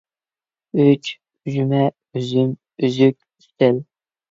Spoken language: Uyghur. ئۈچ، ئۈجمە، ئۈزۈم، ئۈزۈك، ئۈستەل.